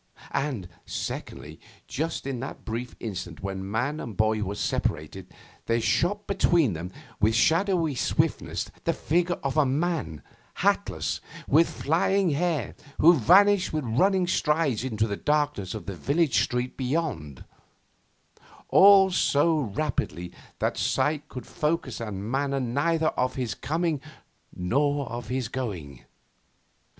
And, secondly just in that brief instant when man and boy were separated there shot between them with shadowy swiftness the figure of a man, hatless, with flying hair, who vanished with running strides into the darkness of the village street beyond all so rapidly that sight could focus the manner neither of his coming nor of his going.